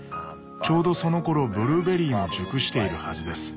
ちょうどそのころブルーベリーも熟しているはずです。